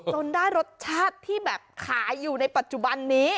ได้รสชาติที่แบบขายอยู่ในปัจจุบันนี้